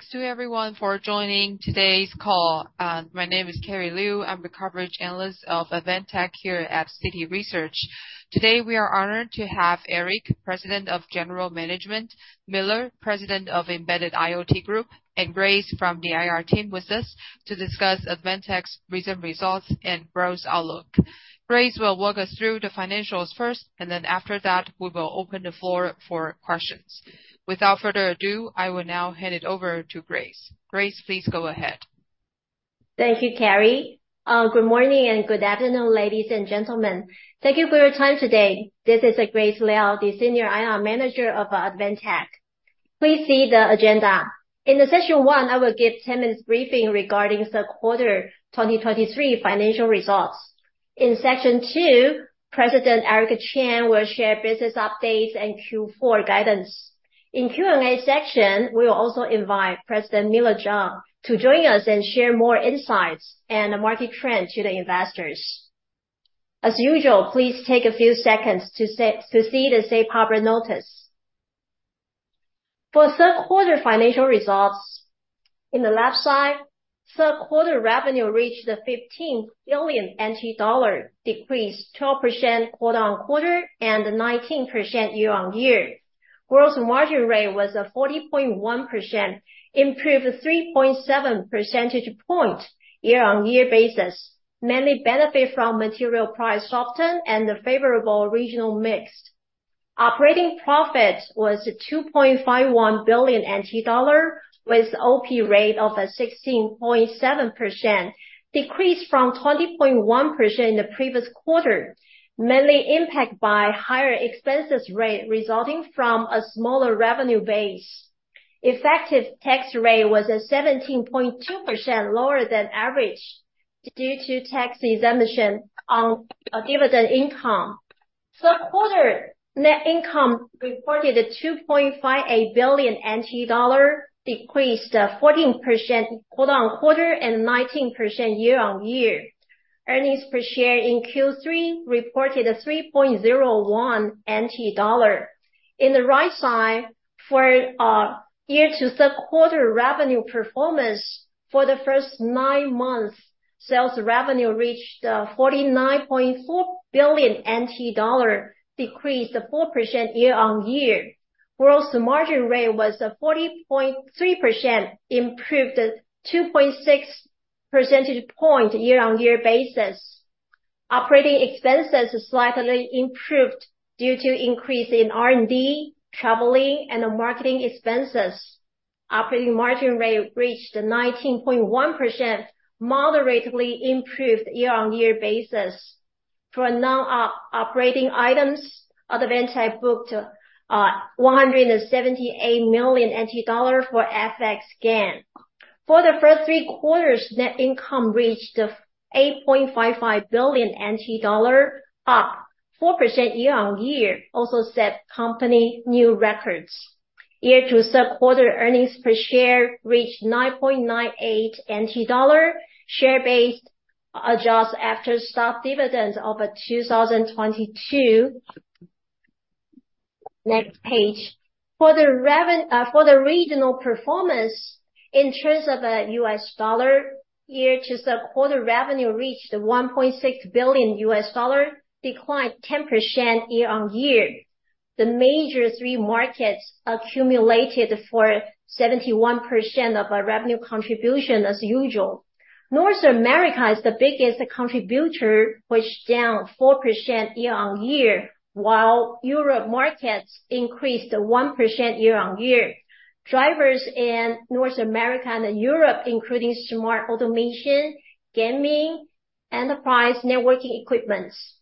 Thanks to everyone for joining today's call. My name is Carrie Liu, I'm the coverage analyst of Advantech here at Citi Research. Today, we are honored to have Eric, President of General Management, Miller, President of Embedded IoT Group, and Grace from the IR team with us to discuss Advantech's recent results and growth outlook. Grace will walk us through the financials first, and then after that, we will open the floor for questions. Without further ado, I will now hand it over to Grace. Grace, please go ahead. Thank you, Carrie. Good morning and good afternoon, ladies and gentlemen. Thank you for your time today. This is Grace Liao, the Senior IR Manager of Advantech. Please see the agenda. In the section one, I will give 10 minutes briefing regarding third quarter 2023 financial results. In section two, President Eric Chen will share business updates and Q4 guidance. In Q&A section, we will also invite President Miller Chang to join us and share more insights and market trend to the investors. As usual, please take a few seconds to see the safe harbor notice. For third quarter financial results, in the left side, third quarter revenue reached 15 billion NT dollar, decreased 12% quarter-on-quarter, and 19% year-on-year. Gross margin rate was 40.1%, improved 3.7 percentage points year-on-year basis, mainly benefit from material price softening and the favorable regional mix. Operating profit was 2.51 billion NT dollar, with OP rate of 16.7%, decreased from 20.1% in the previous quarter, mainly impacted by higher expenses rate resulting from a smaller revenue base. Effective tax rate was at 17.2%, lower than average, due to tax exemption on dividend income. Third quarter net income reported TWD 2.58 billion, decreased 14% quarter-on-quarter and 19% year-on-year. Earnings per share in Q3 reported 3.01 NT dollar. In the right side, for year to third quarter revenue performance, for the first nine months, sales revenue reached 49.4 billion NT dollar, decreased 4% year-on-year. Gross margin rate was 40.3%, improved 2.6 percentage point year-on-year basis. Operating expenses slightly improved due to increase in R&D, traveling, and marketing expenses. Operating margin rate reached 19.1%, moderately improved year-on-year basis. For non-operating items, Advantech booked 178 million NT dollars for FX gain. For the first three quarters, net income reached 8.55 billion NT dollar, up 4% year-on-year, also set company new records. Year to third quarter earnings per share reached 9.98 NT dollar, share-based adjust after stock dividends of 2022. Next page. For the regional performance, in terms of US dollars, year-to-date third quarter revenue reached $1.6 billion, declined 10% year-on-year. The major three markets accounted for 71% of our revenue contribution as usual. North America is the biggest contributor, which was down 4% year-on-year, while Europe markets increased 1% year-on-year. Drivers in North America and Europe, including smart automation, gaming, enterprise networking equipments.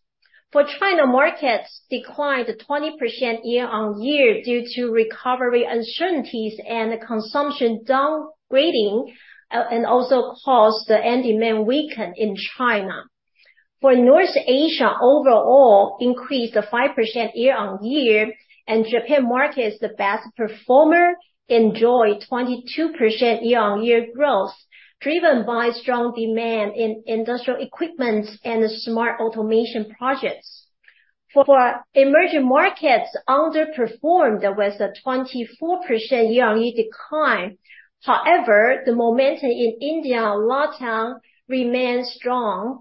For China markets, declined 20% year-on-year due to recovery uncertainties and consumption downgrading, and also caused the end demand weaken in China. For North Asia overall, increased 5% year-on-year, and Japan market is the best performer, enjoyed 22% year-on-year growth, driven by strong demand in industrial equipments and smart automation projects. For emerging markets, underperformed with a 24% year-on-year decline. However, the momentum in India and Latin remains strong.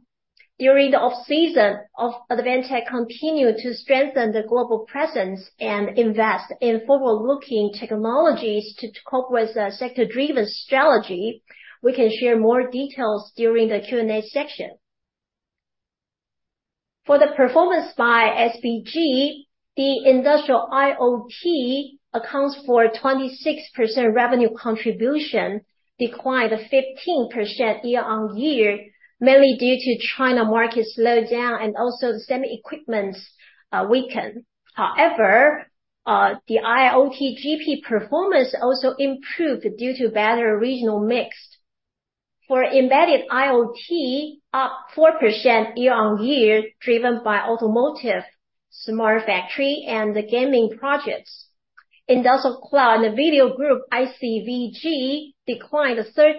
During the off-season, Advantech continued to strengthen the global presence and invest in forward-looking technologies to cope with the sector-driven strategy. We can share more details during the Q&A section. For the performance by SBG, the Industrial IoT accounts for 26% revenue contribution, declined 15% year-on-year, mainly due to China market slowdown and also semiconductor equipment weaken. However, the IoT GP performance also improved due to better regional mix. For Embedded IoT, up 4% year-on-year, driven by automotive, smart factory, and the gaming projects. Industrial Cloud and Video Group, ICVG, declined 13%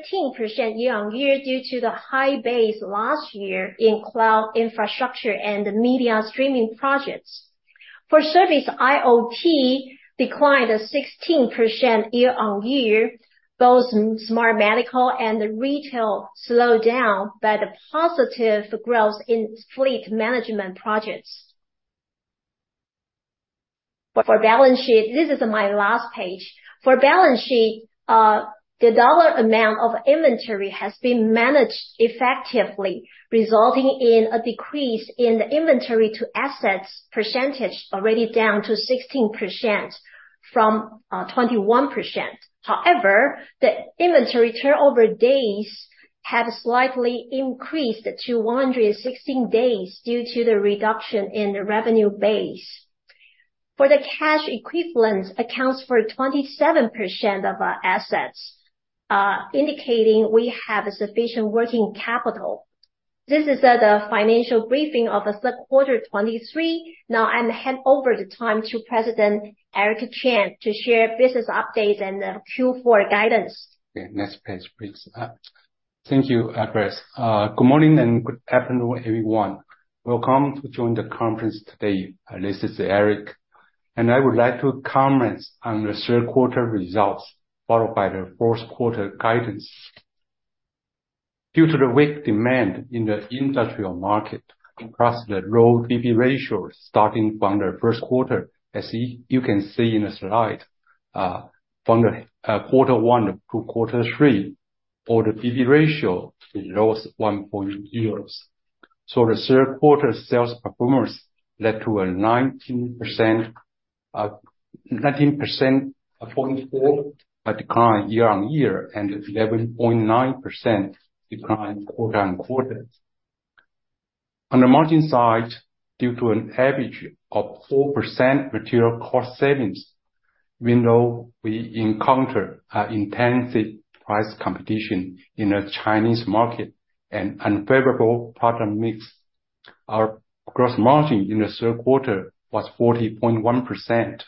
year-on-year due to the high base last year in cloud infrastructure and media streaming projects. For Service IoT, declined 16% year-on-year.... Both Smart Medical and the retail slowed down by the positive growth in fleet management projects. For balance sheet, this is my last page. For balance sheet, the dollar amount of inventory has been managed effectively, resulting in a decrease in the inventory to assets percentage, already down to 16% from 21%. However, the inventory turnover days have slightly increased to 116 days due to the reduction in the revenue base. For the cash equivalents, accounts for 27% of our assets, indicating we have a sufficient working capital. This is the financial briefing of the third quarter 2023. Now, I'm hand over the time to President Eric Chen, to share business updates and the Q4 guidance. Yeah, next page, please. Thank you, Grace. Good morning, and good afternoon, everyone. Welcome to join the conference today. This is Eric, and I would like to comment on the third quarter results, followed by the fourth quarter guidance. Due to the weak demand in the industrial market, across the low B/B ratio starting from the first quarter, as you can see in the slide, from quarter one to quarter three, for the B/B ratio, it lost 1.0. So the third quarter sales performance led to a 19.4% decline year-on-year, and 11.9% decline quarter-on-quarter. On the margin side, due to an average of 4% material cost savings, we know we encounter an intensive price competition in the Chinese market and unfavorable product mix. Our gross margin in the third quarter was 40.1%.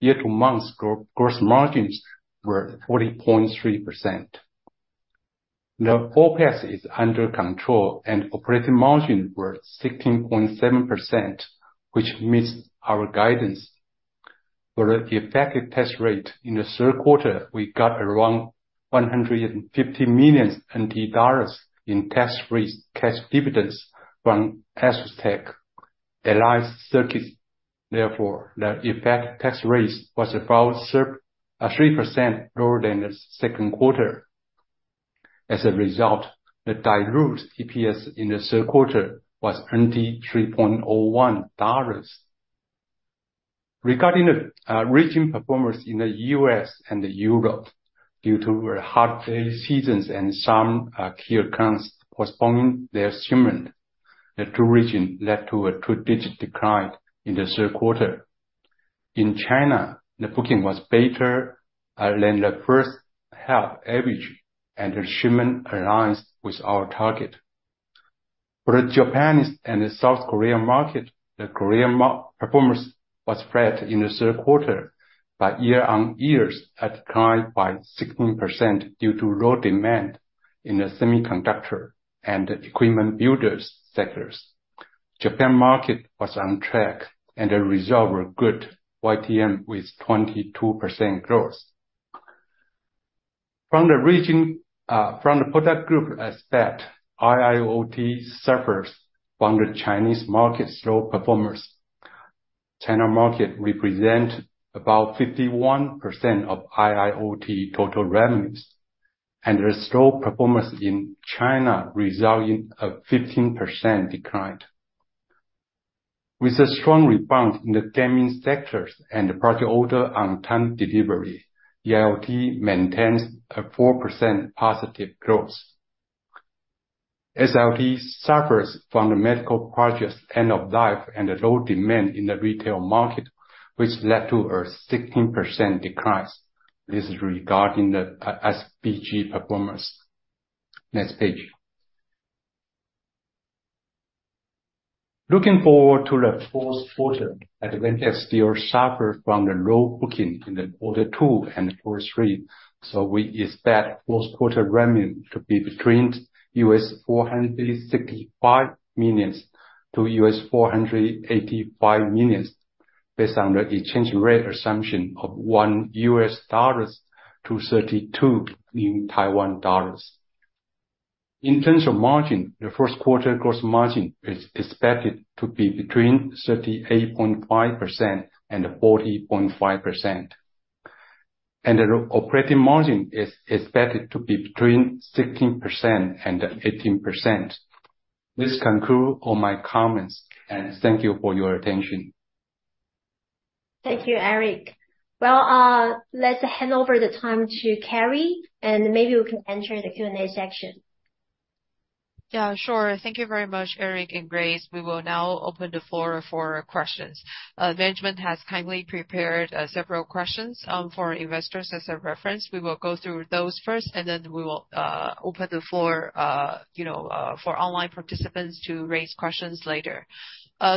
Year to month gross margins were 40.3%. The OPEX is under control, and operating margin were 16.7%, which meets our guidance. For the effective tax rate in the third quarter, we got around 150 million NT dollars in tax-free cash dividends from ASUSTeK. Therefore, the effective tax rate was about three percent lower than the second quarter. As a result, the diluted EPS in the third quarter was 3.1 dollars. Regarding the region performance in the U.S. and Europe, due to the holiday seasons and some key accounts postponing their shipment, the two region led to a two-digit decline in the third quarter. In China, the booking was better than the first half average, and the shipment aligns with our target. For the Japanese and the South Korean market, the Korean market performance was flat in the third quarter, but year-on-year had declined by 16% due to low demand in the semiconductor and equipment builders sectors. Japan market was on track, and the result were good, YTM with 22% growth. From the product group aspect, IIoT suffers from the Chinese market slow performance. China market represent about 51% of IIoT total revenues, and the slow performance in China result in a 15% decline. With a strong rebound in the gaming sectors and project order on time delivery, IoT maintains a 4% positive growth. SLT suffers from the medical projects end of life and the low demand in the retail market, which led to a 16% decrease. This is regarding the SBG performance. Next page. Looking forward to the fourth quarter, Advantech still suffer from the low booking in the quarter two and quarter three, so we expect fourth quarter revenue to be between $465 million-$485 million, based on the exchange rate assumption of $1 to 32. In terms of margin, the first quarter gross margin is expected to be between 38.5%-40.5%. And the operating margin is expected to be between 16%-18%. This conclude all my comments, and thank you for your attention. Thank you, Eric. Well, let's hand over the time to Carrie, and maybe we can enter the Q&A section. Yeah, sure. Thank you very much, Eric and Grace. We will now open the floor for questions. Management has kindly prepared several questions for investors as a reference. We will go through those first, and then we will open the floor, you know, for online participants to raise questions later.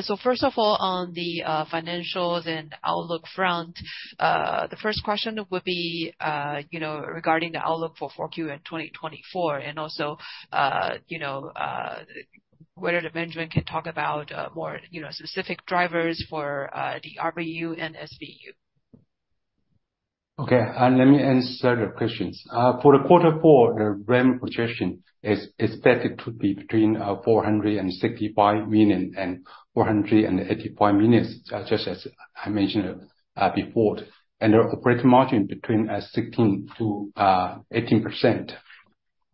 So first of all, on the financials and outlook front, the first question would be, you know, regarding the outlook for 4Q in 2024, and also, you know, whether the management can talk about more, you know, specific drivers for the RBU and SBU? Okay, let me answer the questions. For the quarter four, the revenue projection is expected to be between 465 million and 485 million, just as I mentioned before. The operating margin between 16%-18%.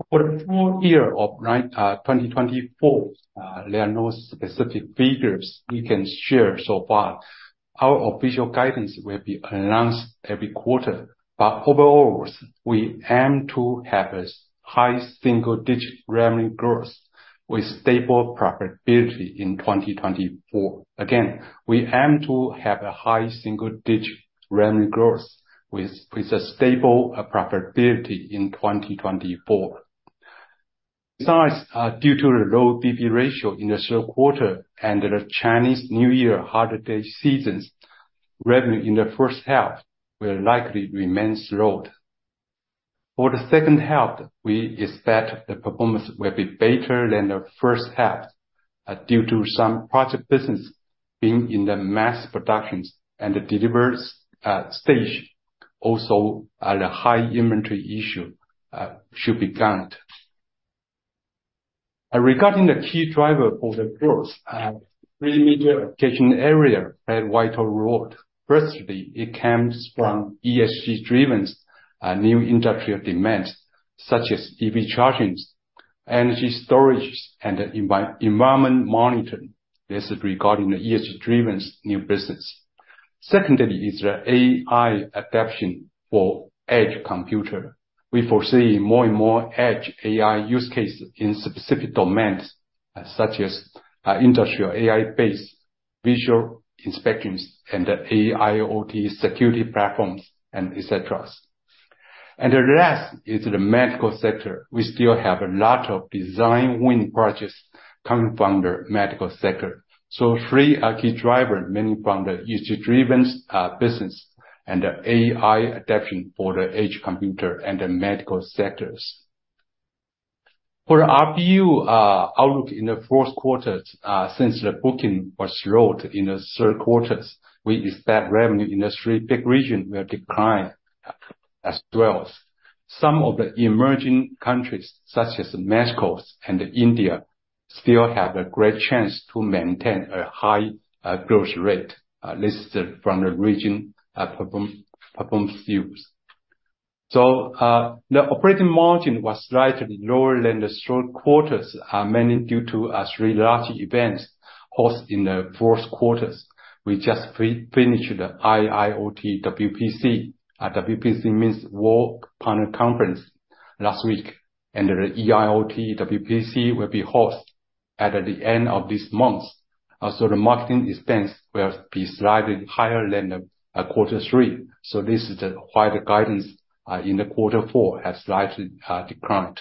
For the full year of 2024, there are no specific figures we can share so far. Our official guidance will be announced every quarter. But overall, we aim to have a high single-digit revenue growth with stable profitability in 2024. Again, we aim to have a high single-digit revenue growth with a stable profitability in 2024. Besides, due to the low B/B ratio in the third quarter and the Chinese New Year holiday seasons, revenue in the first half will likely remain slow. For the second half, we expect the performance will be better than the first half due to some project business being in the mass productions and the delivery stage. Also, a high inventory issue should be gone. Regarding the key driver for the growth, three major attention area had vital role. Firstly, it comes from ESG-driven new industrial demands, such as EV charging, energy storage, and environment monitoring. This is regarding the ESG-driven new business. Secondly, is the AI adoption for edge computing. We foresee more and more edge AI use cases in specific domains, such as industrial AI-based visual inspections and AIoT security platforms, and et cetera. The last is the medical sector. We still have a lot of design winning projects coming from the medical sector. So there are key drivers, mainly from the ESG-driven business and the AI adoption for the edge computing and the medical sectors. For RBU outlook in the fourth quarter, since the booking was low in the third quarter, we expect revenue in the three big regions will decline as well. Some of the emerging countries, such as Mexico and India, still have a great chance to maintain a high growth rate listed from the regional performance views. So, the operating margin was slightly lower than the third quarter, mainly due to three large events hosted in the fourth quarter. We just finished the IIoT WPC. WPC means World Partner Conference, last week, and the IIoT WPC will be hosted at the end of this month. So the marketing expense will be slightly higher than quarter three. So this is the why the guidance in the quarter four has slightly declined.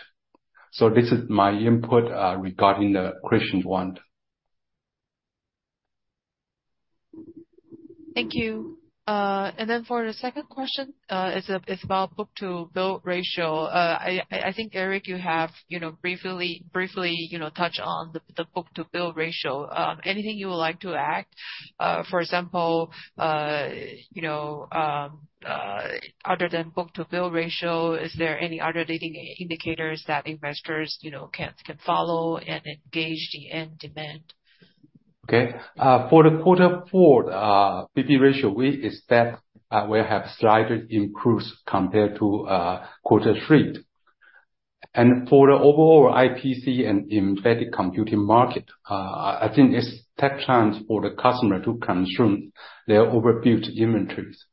So this is my input regarding the question one. Thank you. And then, for the second question, is about book-to-bill ratio. I think, Eric, you have, you know, briefly, you know, touched on the book-to-bill ratio. Anything you would like to add? For example, you know, other than book-to-bill ratio, is there any other leading indicators that investors, you know, can follow and engage the end demand? Okay. For the quarter four, we expect we'll have slightly improved compared to quarter three. And for the overall IPC and embedded computing market, I think it's tough times for the customer to consume their overbuilt inventories.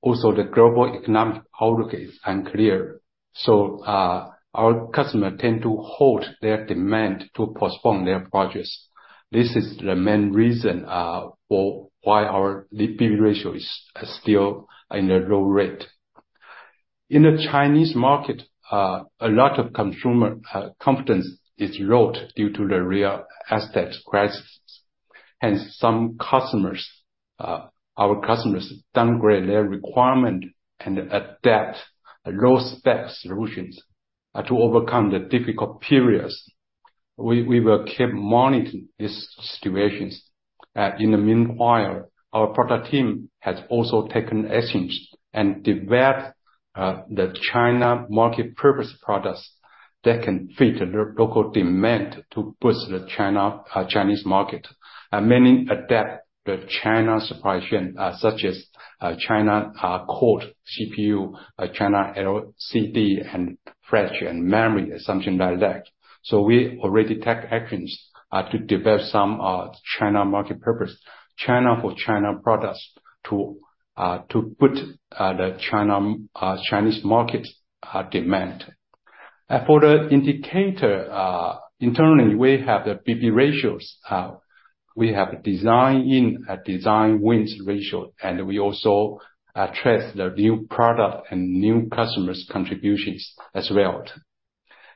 Also, the global economic outlook is unclear, so our customers tend to hold their demand to postpone their purchase. This is the main reason for why our B/B ratio is still in a low rate. In the Chinese market, a lot of consumer confidence is low due to the real estate crisis, hence some customers, our customers downgrade their requirement and adopt low-spec solutions to overcome the difficult periods. We will keep monitoring these situations. In the meanwhile, our product team has also taken actions and developed the China market purpose products that can fit the local demand to boost the Chinese market. And many adapt the China supply chain, such as China core CPU, China LCD and flash and memory, something like that. So we already take actions to develop some China market purpose, China for China products, to to boost the China Chinese market demand. For the indicator, internally, we have the B/B ratios. We have design-in and design wins ratio, and we also track the new product and new customers contributions as well.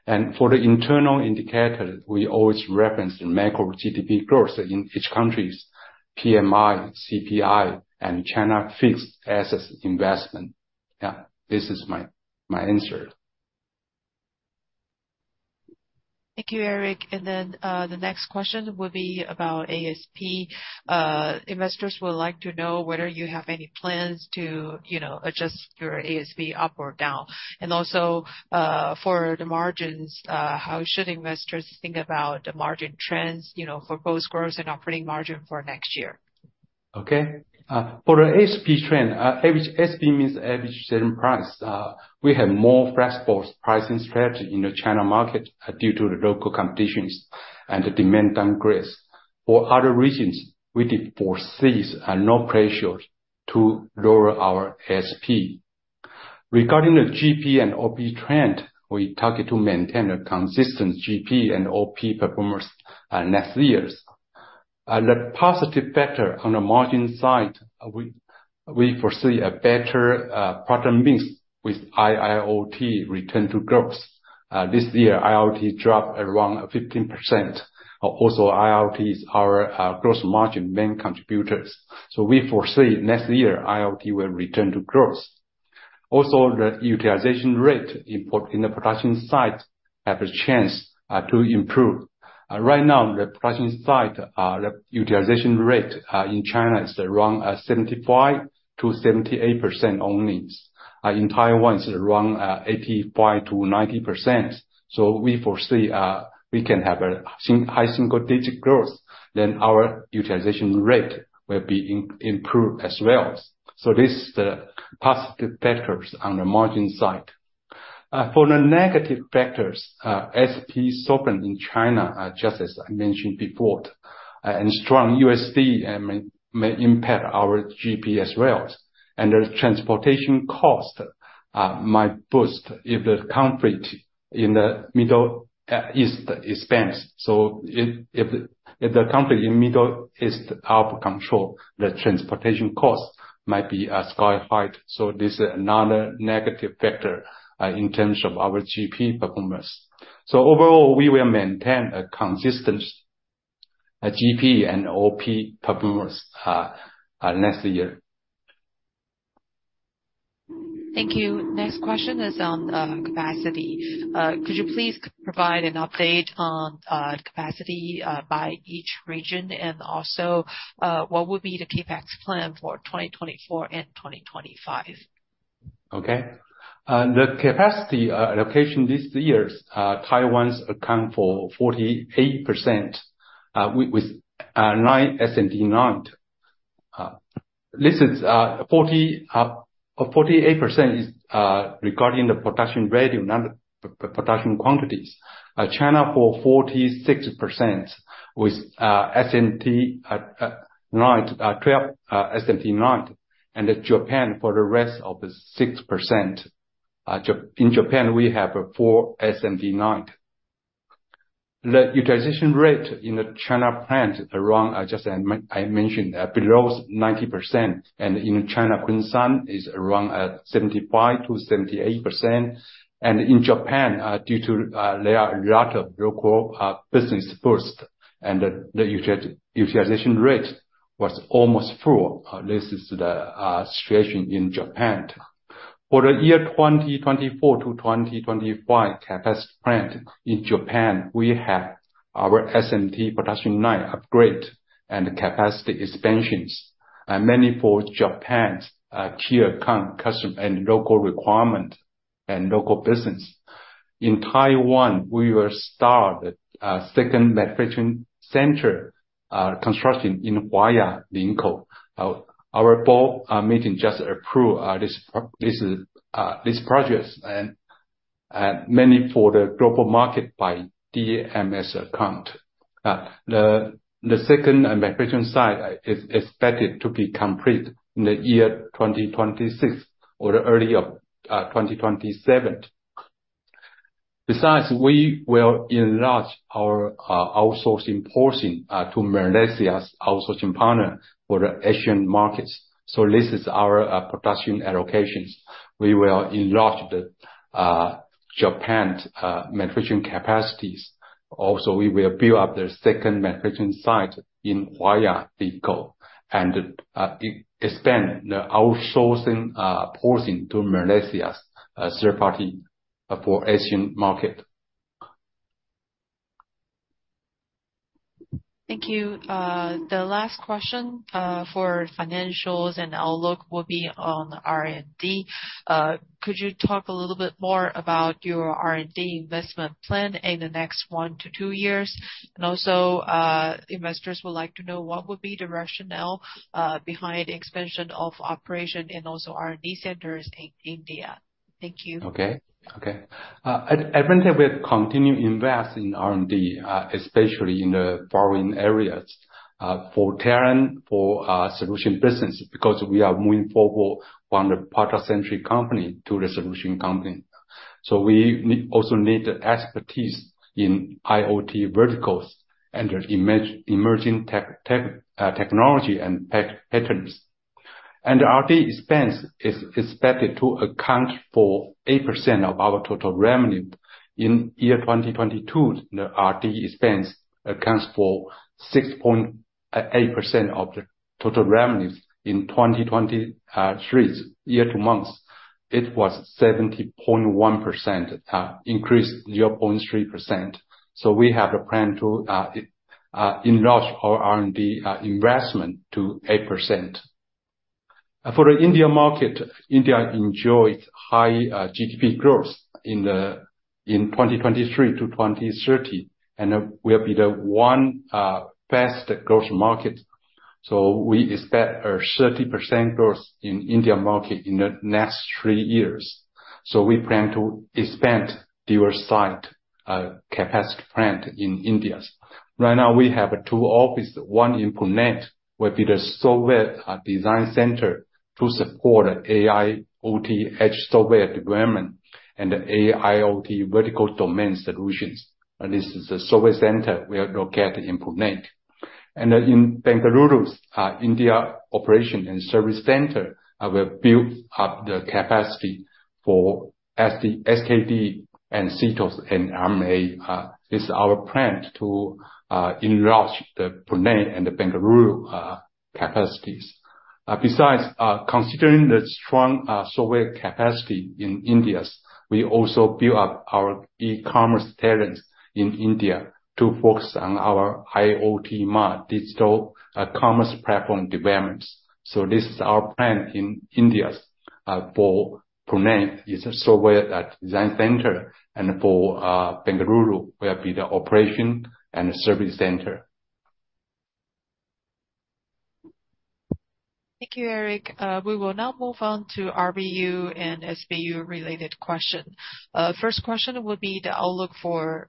And for the internal indicator, we always reference the macro GDP growth in each country's PMI, CPI, and China fixed asset investment. Yeah, this is my answer. Thank you, Eric. Then, the next question will be about ASP. Investors would like to know whether you have any plans to, you know, adjust your ASP up or down. Also, for the margins, how should investors think about the margin trends, you know, for both growth and operating margin for next year? Okay. For the ASP trend, average ASP means average selling price. We have more flexible pricing strategy in the China market due to the local competitions and the demand downgrade. For other reasons, we did foresee no pressure to lower our ASP. Regarding the GP and OP trend, we target to maintain a consistent GP and OP performance next years. The positive factor on the margin side, we foresee a better product mix with IIoT return to growth. This year, IIoT dropped around 15%. Also, IIoT is our gross margin main contributors. So we foresee next year, IIoT will return to growth. Also, the utilization rate improvement in the production site have a chance to improve. Right now, the production site, the utilization rate in China is around 75%-78% only. In Taiwan is around 85%-90%. So we foresee we can have a high single digit growth, then our utilization rate will be improved as well. So this is the positive factors on the margin side. For the negative factors, ASP softened in China, just as I mentioned before, and strong U.S. dollar may impact our GP as well. And the transportation cost might boost if the conflict in the Middle East expands. So if the conflict in Middle East out of control, the transportation costs might be sky high. So this is another negative factor in terms of our GP performance. So overall, we will maintain a consistent GP and OP performance next year. Thank you. Next question is on capacity. Could you please provide an update on capacity by each region? And also, what would be the CapEx plan for 2024 and 2025? Okay. The capacity allocation this year, Taiwan accounts for 48%, with 9 SMT lines. This is 48% is regarding the production volume, not the production quantities. China for 46%, with 12 SMT lines, and Japan for the rest of the 6%. In Japan, we have 4 SMT lines. The utilization rate in the China plant around, just as I mentioned, below 90%, and in China, Kunshan is around 75%-78%. And in Japan, due to a lot of local business burst and the utilization rate was almost full. This is the situation in Japan. For the year 2024 to 2025, capacity plant in Japan, we have our SMT production line upgrade and capacity expansions, and mainly for Japan's tier count customer and local requirement and local business. In Taiwan, we will start second manufacturing center construction in Huaya, Linkou. Our board meeting just approved this project and mainly for the global market by DMS account. The second manufacturing site is expected to be complete in the year 2026 or early of 2027. Besides, we will enlarge our outsourcing portion to Malaysia's outsourcing partner for the Asian markets. So this is our production allocations. We will enlarge Japan's manufacturing capacities. Also, we will build up the second manufacturing site in Huaya, Linkou, and expand the outsourcing portion to Malaysia's third party for Asian market. Thank you. The last question, for financials and outlook will be on R&D. Could you talk a little bit more about your R&D investment plan in the next one to two years? And also, investors would like to know what would be the rationale, behind the expansion of operation and also R&D centers in India. Thank you. Okay. Okay. At Advantech, we continue to invest in R&D, especially in the following areas, for talent, for solution business, because we are moving forward from the product-centric company to the solution company. So we also need the expertise in IIoT verticals and the emerging technology and patterns. And R&D expense is expected to account for 8% of our total revenue. In year 2022, the R&D expense accounts for 6 point...... at 8% of the total revenues in 2023. Year-to-date, it was 70.1%, increased 0.3%. So we have a plan to enlarge our R&D investment to 8%. For the India market, India enjoys high GDP growth in 2023 to 2030, and will be the one best growth market. So we expect a 30% growth in India market in the next three years. So we plan to expand diverse site capacity plant in India. Right now, we have two offices, one in Pune, will be the software design center to support AIoT edge software development and AIoT vertical domain solutions. And this is a software center we are located in Pune. In Bengaluru, India, operation and service center will build up the capacity for SKD, DTOS, and RMA. This is our plan to enlarge the Pune and the Bengaluru capacities. Besides, considering the strong software capacity in India, we also build up our e-commerce talents in India to focus on our IIoT digital commerce platform developments. So this is our plan in India, for Pune, is a software design center, and for Bengaluru, will be the operation and service center. Thank you, Eric. We will now move on to RBU and SBU related question. First question would be the outlook for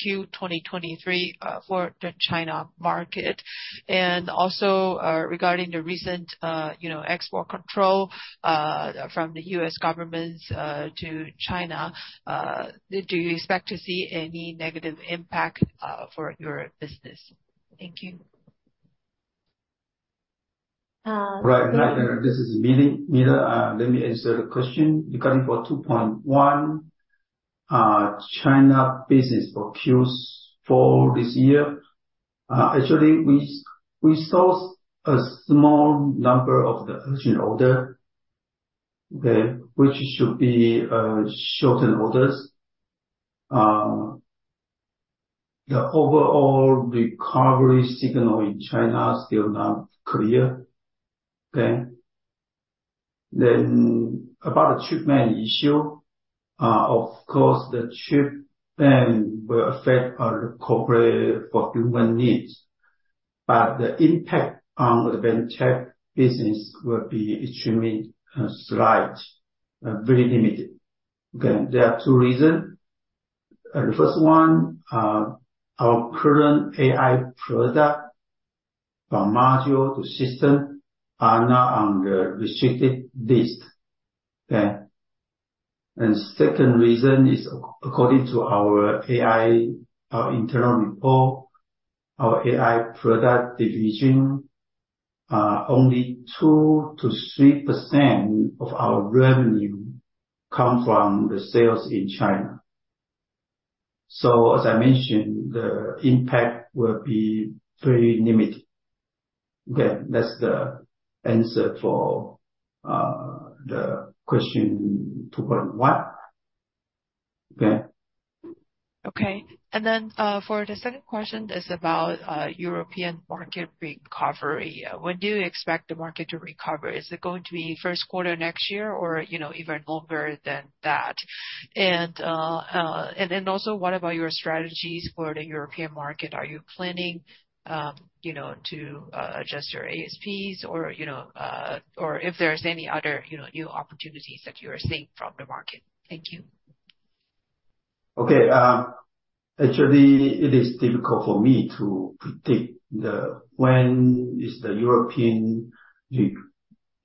Q 2023 for the China market. And also, regarding the recent, you know, export control from the U.S. government to China, do you expect to see any negative impact for your business? Thank you. Right. This is Miller. Let me answer the question. Regarding for 2.1, China business for Q4 this year, actually, we, we saw a small number of the urgent order, okay, which should be, shortened orders. The overall recovery signal in China is still not clear. Okay. Then, about the chip ban issue, of course, the chip ban will affect our corporate for human needs, but the impact on the Advantech business will be extremely, slight, very limited. Okay, there are two reasons. The first one, our current AI product, from module to system, are not on the restricted list. Okay. And second reason is, according to our AI, our internal report, our AI product division, only 2%-3% of our revenue come from the sales in China. So, as I mentioned, the impact will be very limited. Okay, that's the answer for the question 2.1. Okay. Okay. And then, for the second question, is about European market recovery. When do you expect the market to recover? Is it going to be first quarter next year, or, you know, even longer than that? And, and then also, what about your strategies for the European market? Are you planning, you know, to adjust your ASPs? Or, you know, or if there's any other, you know, new opportunities that you are seeing from the market. Thank you. Okay, actually, it is difficult for me to predict the, when is the European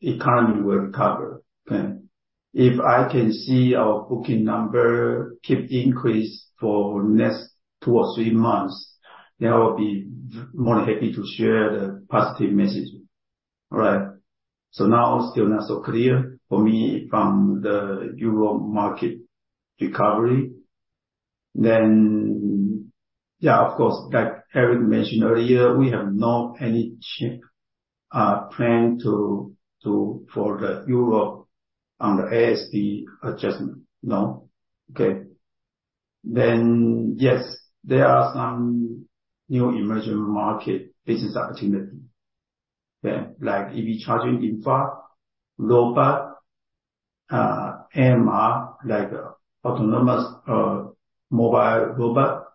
economy will recover. Okay. If I can see our booking number keep increase for next two or three months, then I will be more happy to share the positive message. All right. So now, still not so clear for me from the Euro market recovery. Then, yeah, of course, like Eric mentioned earlier, we have not any chip plan to, to, for the Europe on the ASP adjustment. No. Okay. Then, yes, there are some new emerging market business opportunity. Okay. Like EV charging infra, robot, MR, like, autonomous, mobile robot,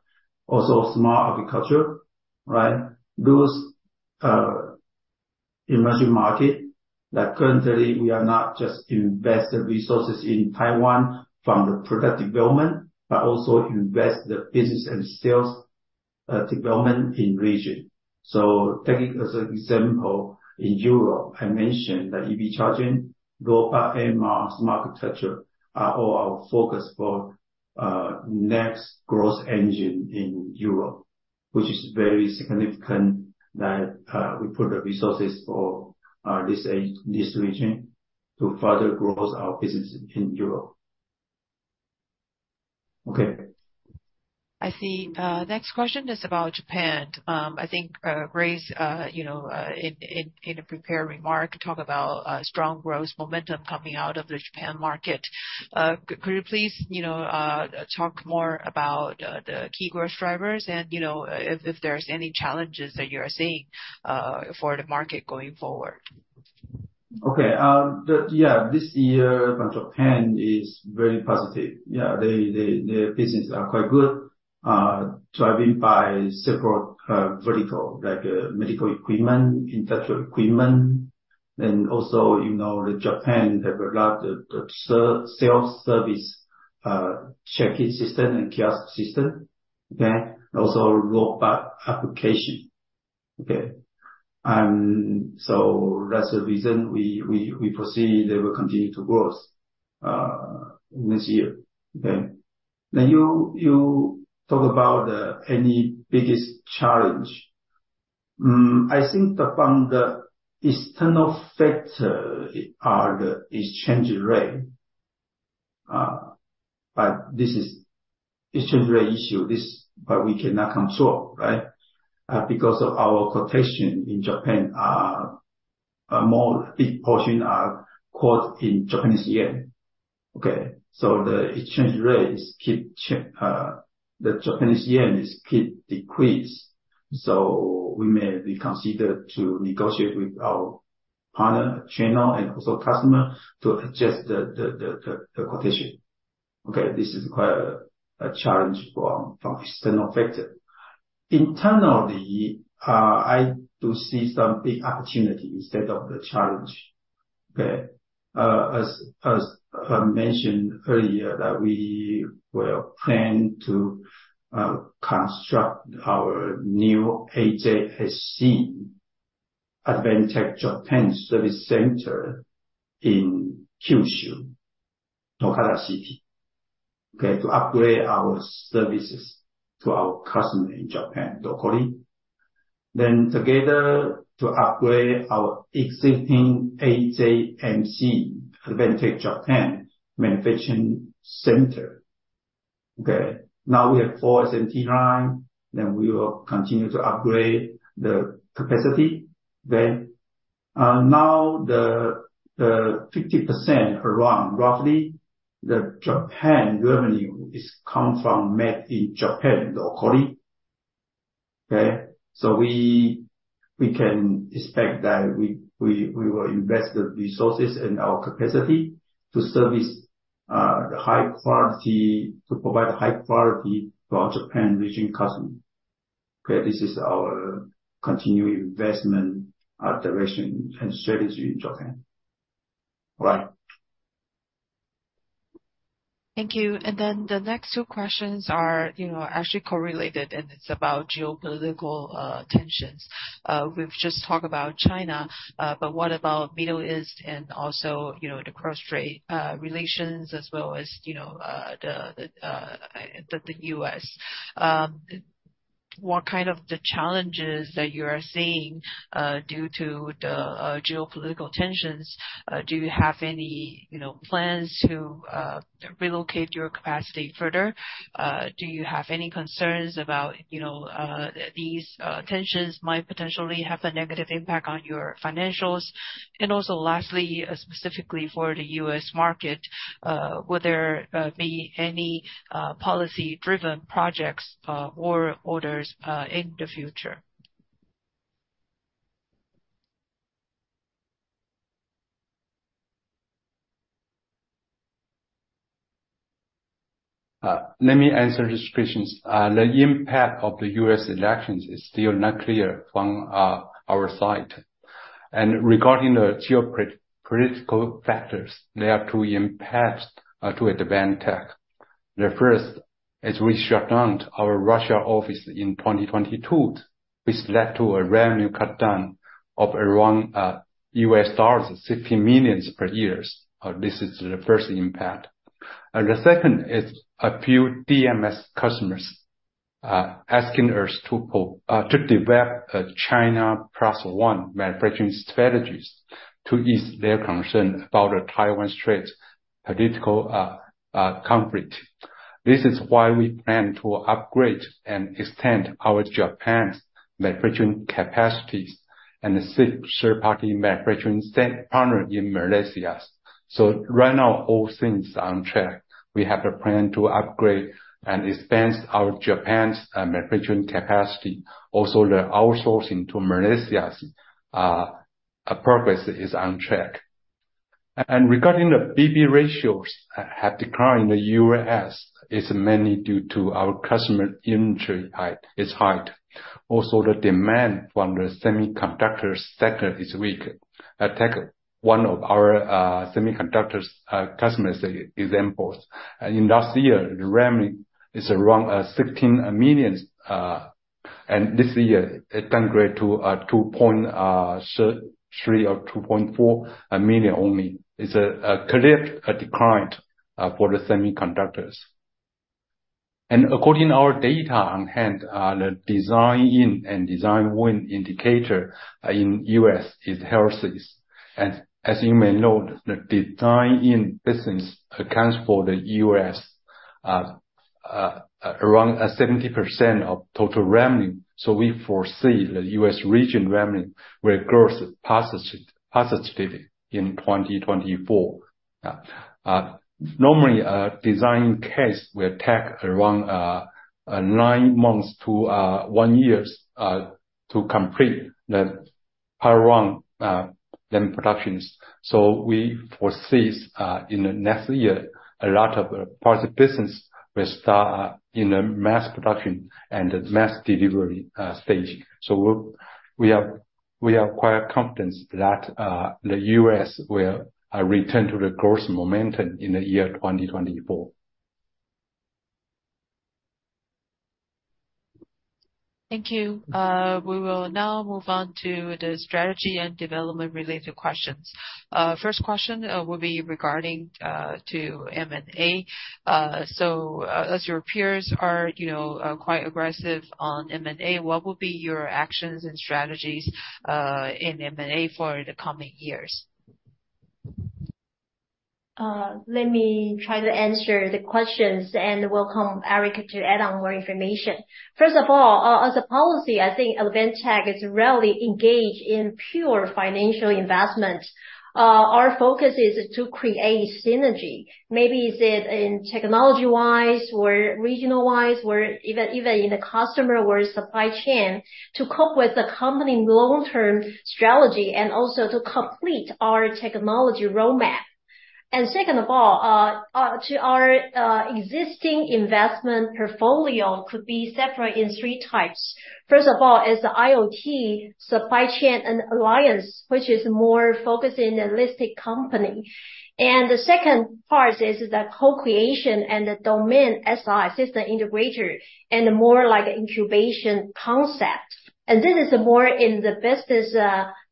also smart agriculture, right? Those, emerging market, that currently we are not just invest the resources in Taiwan from the product development, but also invest the business and sales, development in region. So taking as an example, in Europe, I mentioned that EV charging, robot, AMR, smart agriculture, are all our focus for next growth engine in Europe. Which is very significant that we put the resources for this region to further grow our business in Europe. Okay. I see. Next question is about Japan. I think, Grace, you know, in a prepared remark, talk about strong growth momentum coming out of the Japan market. Could you please, you know, talk more about the key growth drivers and, you know, if there's any challenges that you are seeing for the market going forward? Okay. Yeah, this year, Japan is very positive. Yeah, the business are quite good, driving by several vertical, like, medical equipment, industrial equipment, and also, you know, the Japan, they have a lot of self-service check-in system and kiosk system. Okay? Also, robot application. Okay. And so that's the reason we foresee they will continue to growth in this year. Okay. Then you talk about any biggest challenge. I think from the external factor are the exchange rate. But this is exchange rate issue, but we cannot control, right? Because of our quotation in Japan are more, a big portion are quote in Japanese yen. Okay, so the exchange rate is keep, the Japanese yen is keep decrease, so we may be considered to negotiate with our partner, channel, and also customer to adjust the quotation. Okay, this is quite a challenge from external factor. Internally, I do see some big opportunity instead of the challenge. Okay? As mentioned earlier, that we will plan to construct our new AJSC, Advantech Japan Service Center, in Kyushu, Fukuoka City. Okay, to upgrade our services to our customer in Japan locally. Then together, to upgrade our existing AJMC, Advantech Japan Manufacturing Center. Okay, now we have 4 SMT lines, then we will continue to upgrade the capacity. Then, now the roughly 50% Japan revenue is come from made in Japan locally. Okay? We can expect that we will invest the resources and our capacity to service the high quality, to provide high quality to our Japan region customer. Okay, this is our continued investment, direction and strategy in Japan. All right. Thank you. And then the next two questions are, you know, actually correlated, and it's about geopolitical tensions. We've just talked about China, but what about Middle East and also, you know, the cross-strait relations, as well as, you know, the U.S. What kind of the challenges that you are seeing due to the geopolitical tensions? Do you have any, you know, plans to relocate your capacity further? Do you have any concerns about, you know, these tensions might potentially have a negative impact on your financials? And also, lastly, specifically for the U.S. market, will there be any policy-driven projects or orders in the future? Let me answer these questions. The impact of the U.S. elections is still not clear from our side. And regarding the geopolitical factors, there are two impacts to Advantech. The first is we shut down our Russia office in 2022, which led to a revenue cutdown of around $60 million per year. This is the first impact. The second is a few DMS customers asking us to develop a China+1 manufacturing strategies to ease their concern about the Taiwan Straits political conflict. This is why we plan to upgrade and extend our Japan's manufacturing capacities and the third-party manufacturing partner in Malaysia. So right now, all things are on track. We have a plan to upgrade and expand our Japan's manufacturing capacity. Also, the outsourcing to Malaysia is on track. Regarding the B/B ratios have declined, the U.S. is mainly due to our customer inventory high, is high. Also, the demand from the semiconductor sector is weak. Take one of our semiconductor customers, for example. In last year, the revenue is around $16 million, and this year it downgrade to $2.3 million or $2.4 million only. It's a clear decline for the semiconductors. According to our data on hand, the Design-in and Design-win indicator in the U.S. is healthy. As you may know, the Design-in business accounts for the U.S. around 70% of total revenue. So we foresee the U.S. region revenue will growth positively, positively in 2024. Normally, a design case will take around nine months to one year to complete the power run, then production. So we foresee in the next year, a lot of parts of business will start in a mass production and mass delivery stage. So we have quite confidence that the U.S. will return to the growth momentum in the year 2024. Thank you. We will now move on to the strategy and development related questions. First question will be regarding to M&A. So as your peers are, you know, quite aggressive on M&A, what will be your actions and strategies in M&A for the coming years? Let me try to answer the questions, and welcome Eric to add on more information. First of all, as a policy, I think Advantech is rarely engaged in pure financial investment. Our focus is to create synergy. Maybe is it in technology-wise or regional-wise, or even, even in the customer or supply chain, to cope with the company long-term strategy and also to complete our technology roadmap. And second of all, to our existing investment portfolio could be separate in three types. First of all, is the IoT supply chain and alliance, which is more focused in the listed company. And the second part is the co-creation and the domain SI, system integrator, and more like incubation concept. And this is more in the business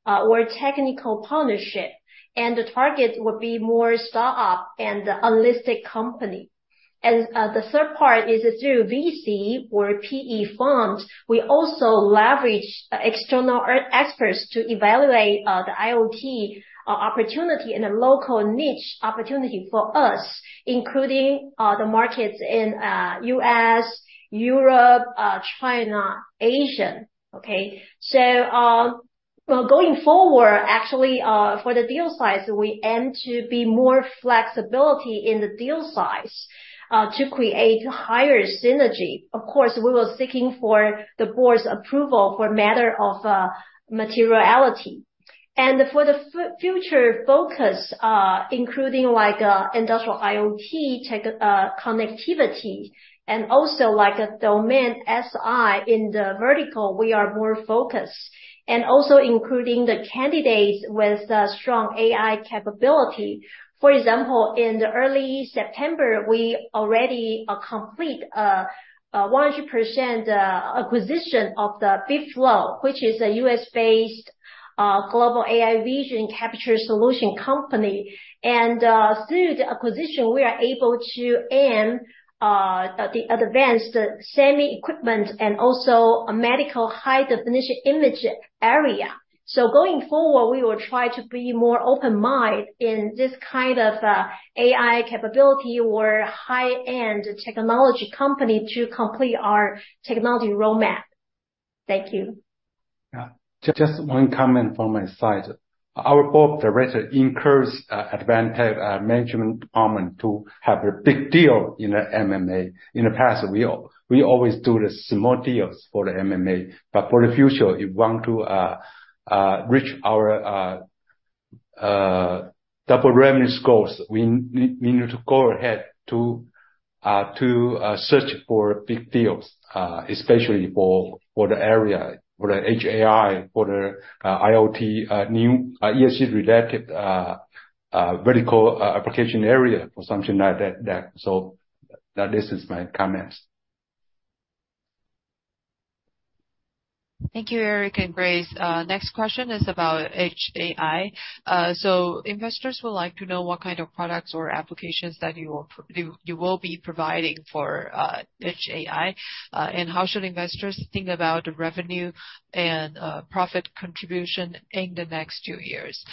or technical partnership, and the target would be more start-up and unlisted company. The third part is through VC or PE firms. We also leverage external experts to evaluate the IoT opportunity and the local niche opportunity for us, including the markets in U.S., Europe, China, Asia. Okay? So, well, going forward, actually, for the deal size, we aim to be more flexibility in the deal size to create higher synergy. Of course, we were seeking for the board's approval for matter of materiality. And for the future focus, including, like, Industrial IoT, tech, connectivity, and also like a domain SI in the vertical, we are more focused. And also including the candidates with a strong AI capability. For example, in the early September, we already complete a 100% acquisition of the BitFlow, which is a U.S.-based global AI vision capture solution company. Through the acquisition, we are able to aim at the advanced semi equipment and also a medical high definition image area. Going forward, we will try to be more open-minded in this kind of AI capability or high-end technology company to complete our technology roadmap. Thank you. Yeah. Just one comment from my side. Our board of director encouraged Advantech management department to have a big deal in the M&A. In the past, we always do the small deals for the M&A, but for the future, we want to reach our double revenue goals. We need to go ahead to search for big deals, especially for the area, for the Edge AI, for the IoT, new ESG related vertical application area or something like that. So that is my comments. Thank you, Eric and Grace. Next question is about Edge AI. So investors would like to know what kind of products or applications that you will be providing for Edge AI. And how should investors think about the revenue and profit contribution in the next two years?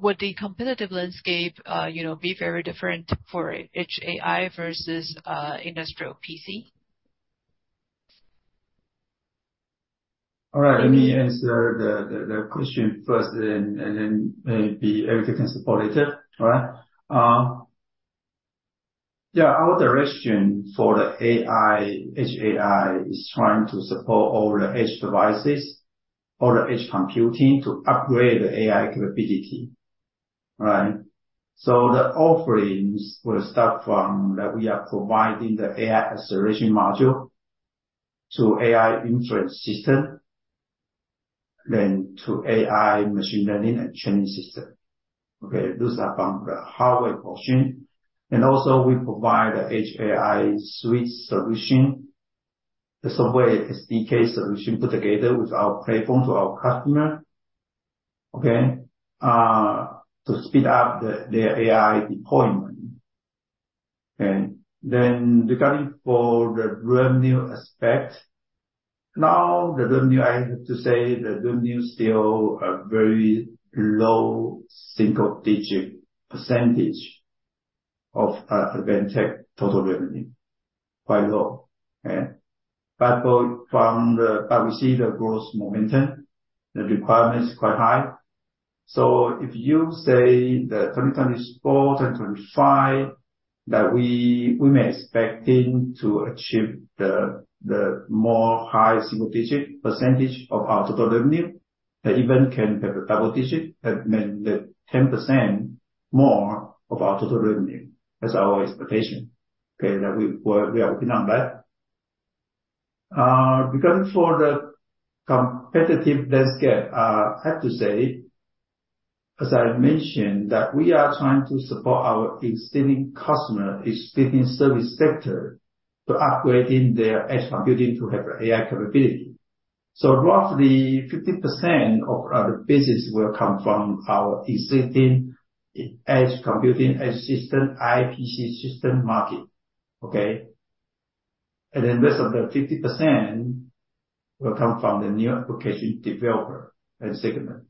Would the competitive landscape, you know, be very different for Edge AI versus industrial PC? All right, let me answer the question first, and then maybe Eric can support later. All right? Yeah, our direction for the AI, Edge AI, is trying to support all the edge devices, all the edge computing, to upgrade the AI capability. Right. So the offerings will start from that we are providing the AI acceleration module to AI inference system, then to AI machine learning and training system. Okay, those are from the hardware portion. And also we provide an Edge AI Suite solution, the software SDK solution, put together with our platform to our customer. Okay, to speed up the AI deployment. Then regarding the revenue aspect, now the revenue, I have to say, the revenue is still a very low single digit percentage of Advantech total revenue. Quite low, okay? But we see the growth momentum, the requirement is quite high. So if you say that 2024, 2025, that we may expecting to achieve the more high single digit percentage of our total revenue, that even can have a double digit, that mean the 10% more of our total revenue. That's our expectation, okay? That we are working on that. Regarding the competitive landscape, I have to say, as I mentioned, that we are trying to support our existing customer, existing service sector, to upgrading their edge computing to have AI capability. So roughly 50% of our business will come from our existing edge computing, edge system, IPC system market, okay? And then rest of the 50% will come from the new application developer and segment.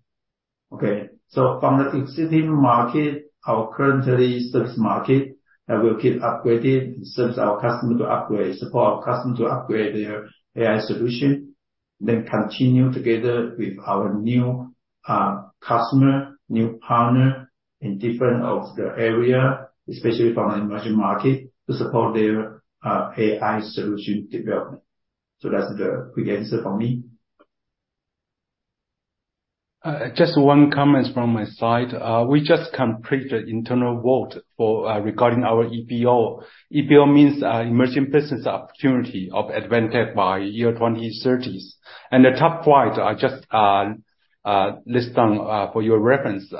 Okay, so from the existing market, our currently service market, will keep upgrading, and service our customer to upgrade, support our customer to upgrade their AI solution. Then continue together with our new, customer, new partner in different of the area, especially from the emerging market, to support their, AI solution development. So that's the quick answer from me. Just one comment from my side. We just completed internal vote regarding our EBO. EBO means emerging business opportunity of Advantech by the 2030s. And the top points are just listed down for your reference.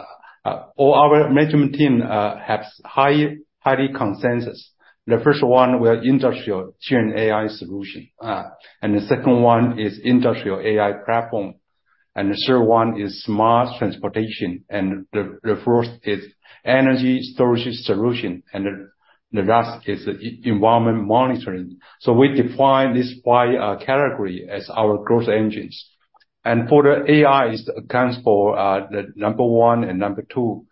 All our management team has high consensus. The first one were industrial GenAI solution. And the second one is industrial AI platform. And the third one is smart transportation, and the fourth is energy storage solution, and the last is environmental monitoring. So we define this five category as our growth engines. And for the AIs accounts for the number one and number two.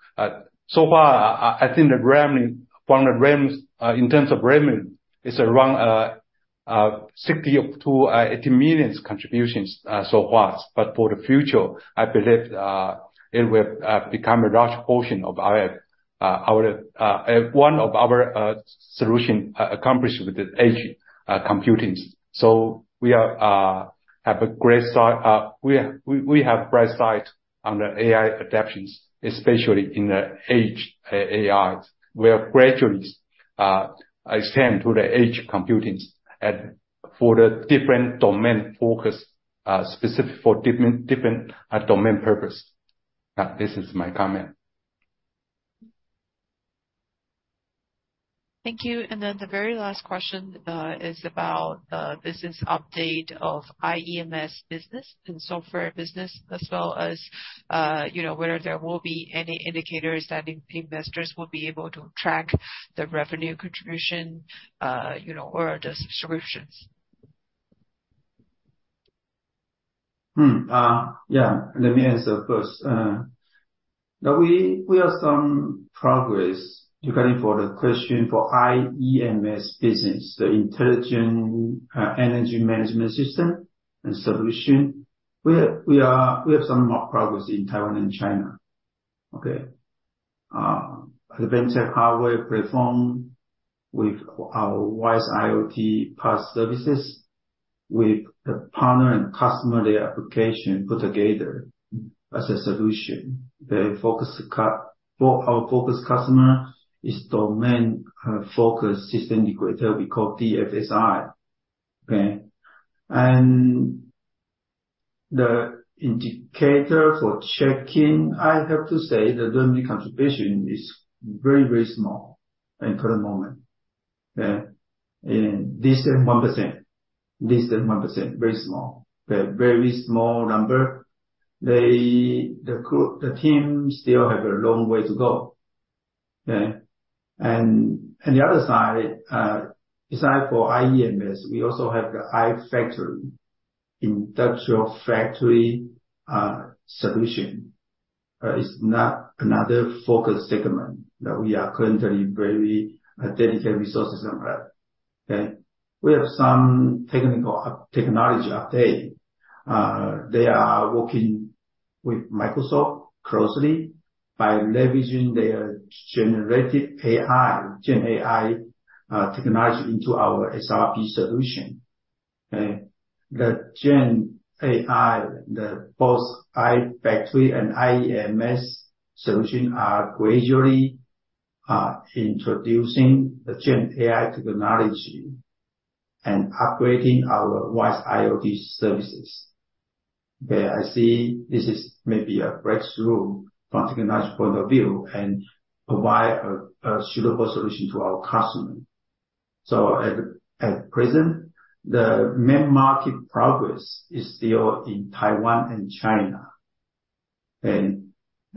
So far, I think the revenue in terms of revenue is around $60 million-$80 million contributions so far. But for the future, I believe it will become a large portion of our, our, one of our solution accomplished with the edge computings. So we are have a great side, we, we, we have bright sight on the AI adaptations, especially in the Edge AI, where gradually extend to the Edge Computing and for the different domain focus specific for different, different domain purpose. This is my comment. Thank you. And then the very last question is about business update of iEMS business and software business, as well as, you know, whether there will be any indicators that investors will be able to track the revenue contribution, you know, or the solutions. Yeah, let me answer first. Now we have some progress regarding for the question for iEMS business, the intelligent energy management system and solution. We have some more progress in Taiwan and China. Okay? The Advantech hardware perform with our WISE-IoT PaaS services, with the partner and customer, their application put together as a solution. The focus for our focus customer is domain focus system integrator, we call DFSI. Okay? And the indicator for checking, I have to say, the revenue contribution is very, very small in current moment. In less than 1%. Less than 1%, very small. The very small number, they... The group, the team still have a long way to go. Okay? And the other side, aside for iEMS, we also have the iFactory, industrial factory solution. It is not another focus segment that we are currently very dedicated resources on that. Okay? We have some technology update. They are working with Microsoft closely by leveraging their generative AI, GenAI, technology into our SRP solution. Okay? The GenAI, both iFactory and iEMS solution, are gradually introducing the GenAI technology and upgrading our WISE-IoT services. Where I see this is maybe a breakthrough from technological point of view, and provide a suitable solution to our customer. So at present, the main market progress is still in Taiwan and China,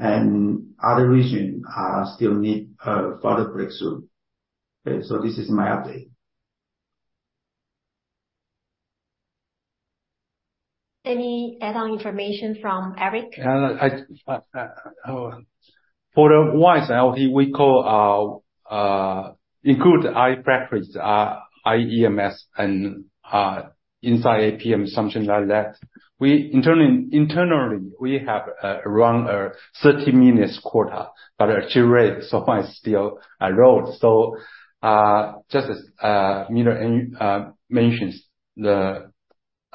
and other regions still need further breakthrough. Okay, so this is my update. Any add-on information from Eric? For the WISE-IoT, we call include i preference, iEMS, and InsightAPM, something like that. We internally have around 30 million quarter, but actually rate so far is still low. So, just as Miller mentions, the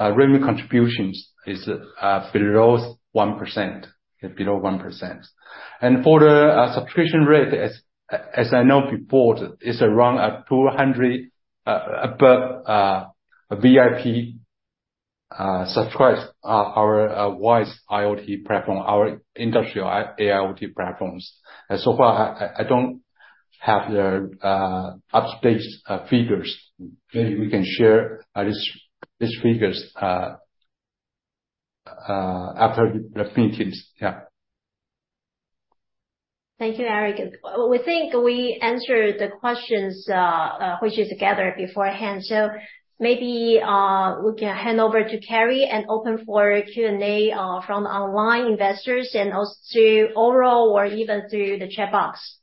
revenue contributions is below 1%. It's below 1%. And for the subscription rate, as I know, before, it's around 200 per VIP subscribed our WISE-IoT platform, our industrial AIoT platforms. And so far, I don't have the up-to-date figures. Maybe we can share these figures after the meetings. Yeah. Thank you, Eric. We think we answered the questions which you gathered beforehand. So maybe we can hand over to Carrie and open for Q&A from the online investors, and also through overall or even through the chat box.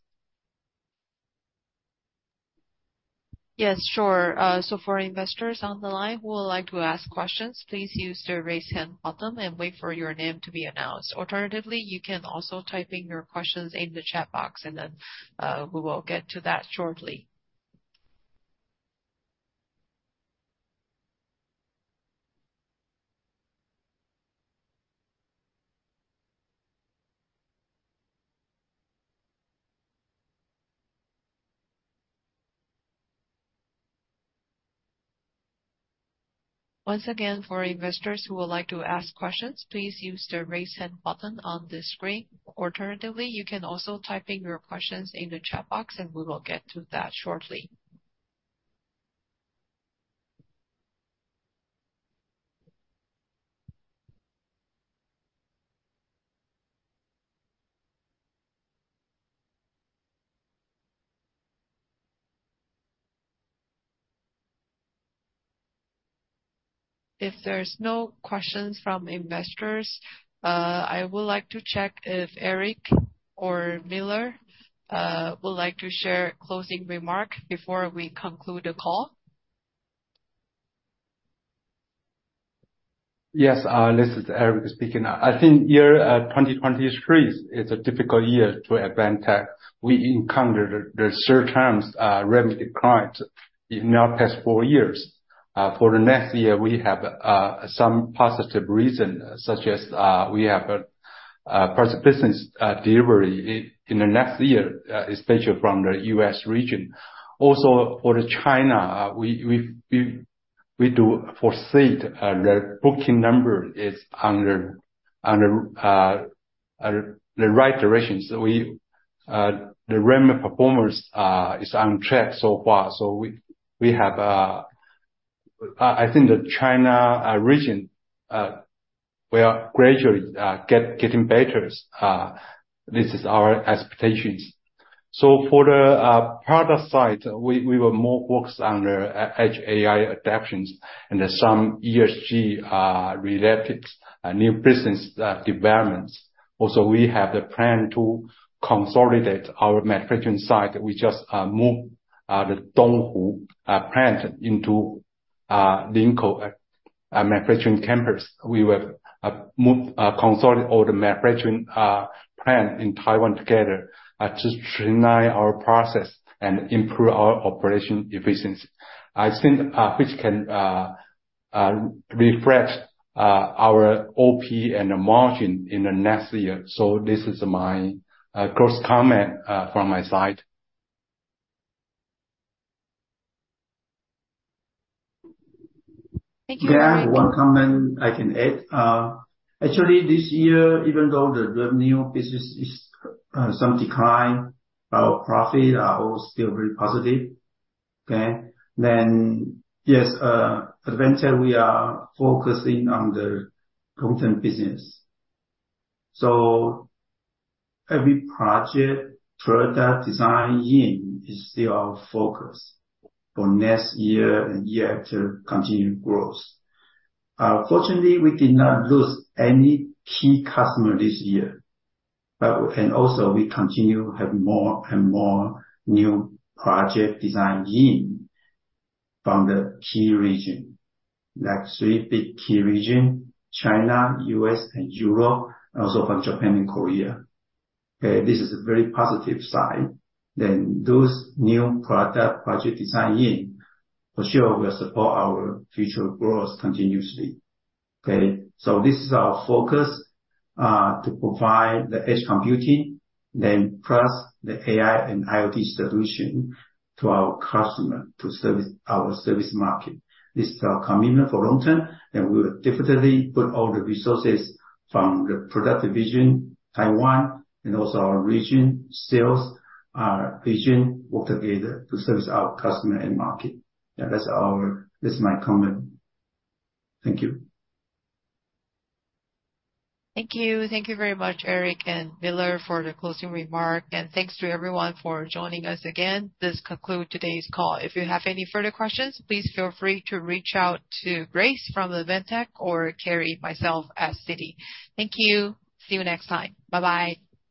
Yes, sure. So for investors on the line who would like to ask questions, please use the Raise Hand button and wait for your name to be announced. Alternatively, you can also type in your questions in the chat box, and then, we will get to that shortly. Once again, for investors who would like to ask questions, please use the Raise Hand button on the screen. Alternatively, you can also type in your questions in the chat box, and we will get to that shortly. If there's no questions from investors, I would like to check if Eric or Miller would like to share closing remark before we conclude the call. Yes, this is Eric speaking. I think 2023 is a difficult year for Advantech. We encountered the third revenue decline in the past four years. For the next year, we have some positive reason, such as we have a positive business delivery in the next year, especially from the U.S. region. Also, for China, we do foresee the booking number is under the right direction. The revenue performance is on track so far. So we have... I think the China region we are gradually getting better. This is our expectations. So for the product side, we were more focused on the edge AI adaptations and some ESG-related new business developments. Also, we have the plan to consolidate our manufacturing side. We just moved the Donghu plant into Linkou manufacturing campus. We will move consolidate all the manufacturing plant in Taiwan together to streamline our process and improve our operation efficiency. I think which can reflect our OP and the margin in the next year. So this is my close comment from my side. Thank you, Eric. May I have one comment I can add? Actually, this year, even though the revenue business is, some decline, our profit are all still very positive. Okay? Then, yes, eventually, we are focusing on the content business. So every project, product designed in is still our focus for next year and year to continue growth. Fortunately, we did not lose any key customer this year, but, and also we continue to have more and more new project design in from the key region. Like three big key region, China, U.S., and Europe, and also from Japan and Korea. Okay, this is a very positive sign. Then those new product project designed in, for sure will support our future growth continuously. Okay, so this is our focus to provide the edge computing, then plus the AI and IoT solution to our customer to service our service market. This is our commitment for long term, and we will definitely put all the resources from the product division, Taiwan and also our region sales division, work together to service our customer and market. Yeah, that's my comment. Thank you. Thank you. Thank you very much, Eric and Miller, for the closing remark, and thanks to everyone for joining us again. This concludes today's call. If you have any further questions, please feel free to reach out to Grace from Advantech or Carrie, myself, at Citi. Thank you. See you next time. Bye-bye.